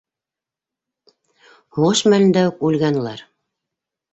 Һуғыш мәлендә үк үлгән улар.